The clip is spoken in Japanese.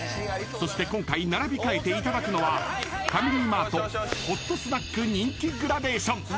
［そして今回並び替えていただくのはファミリーマートホットスナック人気グラデーション］